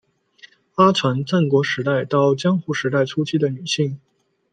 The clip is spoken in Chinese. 阿船战国时代到江户时代初期的女性。